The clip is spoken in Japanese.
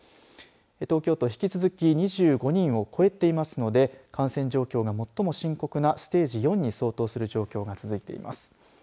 東京都、引き続き２５人を超えていますので感染状況が最も深刻なステージ４に相当する状況が続いています。